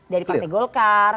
dari partai golkar